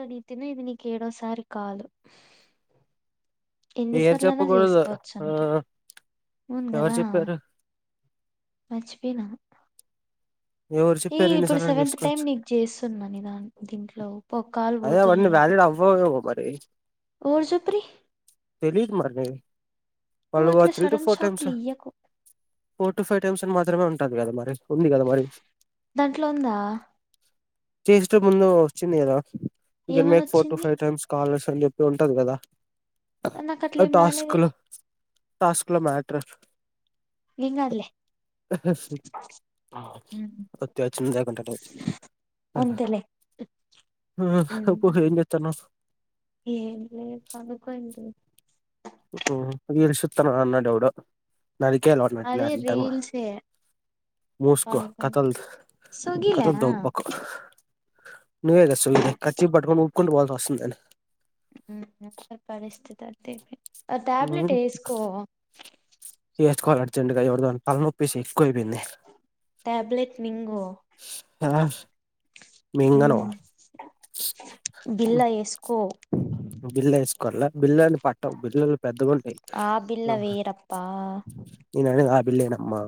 అడిీతే ఇది నీకు ఏడోసారి కాలు పేరు ఎన్నిసార్లున్న చెప్పకూడదు చేసుకోవచ్చు ఆ అంట అవున్ ఎవరు కదా చెప్పారు మర్చి పోయిన ఎవరు ఈ చెప్పారు ఇప్పుడు ఇన్నిసార్లు అని సెవెంత్ టైమ్ చేసుకోవచ్చు నీకు చేస్తున్నాని దా దీంట్లో ఒక కాల్ అదే పోతుంది అవన్నీ కదా వ్యాలిడ్ అవ్వవ్ మరి ఎవరు చెప్పురి తెలీదు మరి నువ్వు వాళ్ళు వ అట్లా త్రీటు సడన్ ఫోర్ టైమ్స్ షాక్లు ఇయ్యకు ఫోర్ టు ఫైవ్ టైమ్స్ అని మాత్రమే ఉంటది కదా మరి ఉంది కదా మరి దాంట్లో ఉంద చేస్తూ ముందు వచ్చింది కదా ఇకమె ఏమని ఫోర్ టు వచ్చింది ఫైవ్ టైమ్స్ కాల వెళ్ళిపో ఉంటది కదా అ నా కట్లేం టాస్క్ రాలేదె లో టాస్క్ లో మ్యాటర్ ఏం గాదులె వచ్చిన్ ఉమ్, [unintelligible] అంతేలే అబ్బో ఏం చేస్తున్నావ్ ఏం లె పవర్ పాయింటు రీల్ చూస్తూవన్నా డౌటు నాది కేేల నాట్లే అదే అంటామ రీల్సే మూస్కో పనుకోండి కథల్ సుగిలా కథల్ దొబ్బకు నువ్వే గా సొగిల్ కర్చీఫ్ బట్టుకొని ఊక్కుంటూ పోవల్సి వస్తుందని [unintelligible] ఆ ట్యాబ్లేెట్ ఏస్కో ఎస్ కోల్ల అర్జంట్ గా ఎవొరిదాన్ తలనొప్పిస్ ఎక్కువైపేంది టాబ్లెట్ మింగు ఊ బిళ్ళ ఏసుకో బిల్ల ఏసుకోల్లొ బిల్లలన్ని పట్టవ్ బిల్లలు పెద్దగుంటయ్ ఆ బిల్ల వేయరప్పా నేననేది ఆ బిల్లే నమ్మా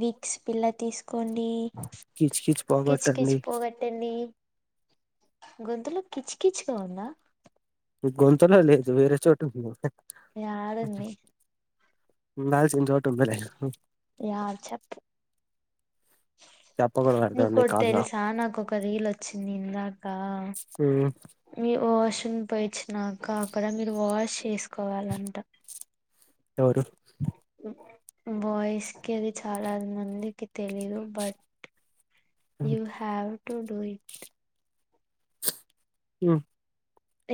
వీక్స్ పిల్ల తీసుకోండి కీచు కీచు కిచ్ కిచ్ పోగొట్టండి పోగట్టండి గొంతులో కిచ్ కిచ్ గా ఉందా గొంతలో లేదు వేరే చోటుంది యాడుంది ఉండాల్సిన చోట్ యా చెప్ తప్ నీకోటి తెలుసా నాకొ ఒక రీలొచ్చింది ఇందాక ఉమ్ మీ ఓ వాష్ రూమ్ పొయొచ్చినాంక అక్కడ మీరు వాష్ చేసుకోవాలంట ఎవరు బాయ్స్ కి అది చాలా మందికి తెలీదు but you have to do it ఉ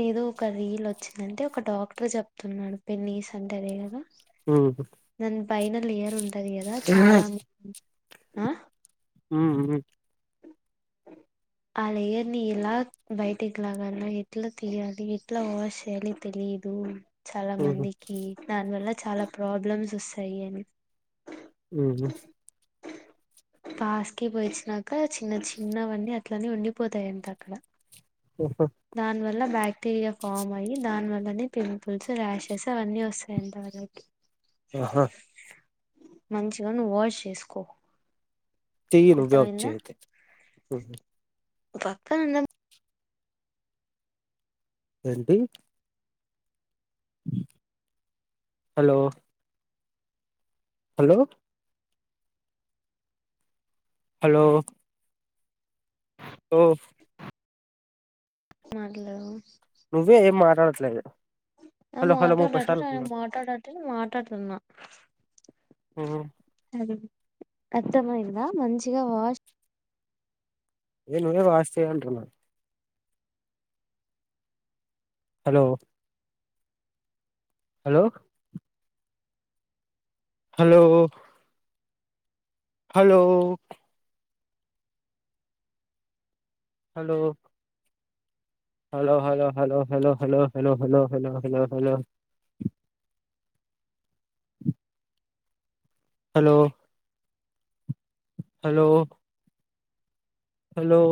ఏదో ఒక రీల్ వచ్చింది అంటే ఒక డాక్టర్ చెప్తున్నాడు పెన్నిస్ అంటే అదె గదా ఊహు ఫైన లేయర్ ఉంటది గదా చాలా ఆ ఉ ఆ లేయర్ని ఎలా బయటికి లాగాన్నా ఎట్లా తీయాలి ఎట్లా వాష్ చేయాలి తెలియ తెలీదు చాలా ఉమ్ మందికి దాని వల్ల చాలా ప్రాబ్లమ్స్ వస్తాయి అని ఊహు పాస్ కి పోయిచ్చినాక చిన్న చిన్నవన్నీ అట్లనే ఉండిపోతాయంట అక్కడ ఓహో దాని వల్ల బాక్టీరియా ఫామ్ అయ్యి దాని వల్లనే పింపుల్స్ ర్యొషెస్ అవన్నీ వస్తాయంట వాళ్లకి ఆహా మంచిగా నువ్వు వాష్ చేసుకో చెయ్యి నువ్వే వచ్చి అయితే నువ్ పక్కనున్యమ్ ఏంటి హలో హలో హలో ఓ మాట్లాడు నువ్వే ఏం మాట్లాడట్లేదు ఆ హలో హలో ముప్పై మాటాడట సార్లు అంటున్నావ్ మాట్డట మాటాడుతుంన్నా మ్మ్ అరే అర్థమైందా మంచిగా వాష్ అదే నువ్వే వాష్ చెయ్ అంటున్నా hello hello hello hello hello hello hello hello hello hello hello hello hello hello hello hello hello hello